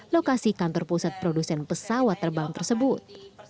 lokasi kantor pusat produsen pesawat terbang tersebut